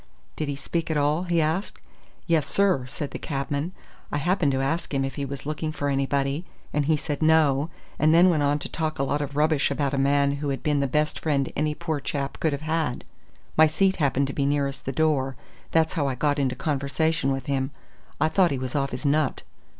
"Did he speak at all?" he asked. "Yes, sir," said the cabman. "I happened to ask him if he was looking for anybody, and he said no, and then went on to talk a lot of rubbish about a man who had been the best friend any poor chap could have had. My seat happened to be nearest the door, that's how I got into conversation with him. I thought he was off his nut."